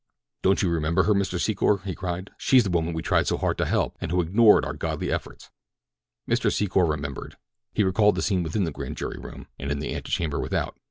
"Don't you remember her, Mr. Secor?" he cried. "She's the woman we tried so hard to help, and who ignored our godly efforts." Mr. Secor remembered. He recalled the scene within the Grand jury room, and in the antechamber without.